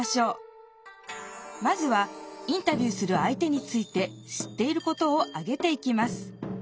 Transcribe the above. まずはインタビューする相手について知っていることをあげていきます